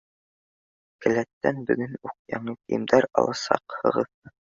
Келәттән бөгөн үк яңы кейемдәр аласаҡһығыҙ.